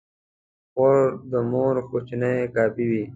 خور د مور کوچنۍ کاپي وي.